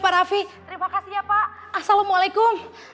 pak raffi terima kasih ya pak assalamualaikum